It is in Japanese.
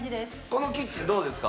このキッチンどうですか？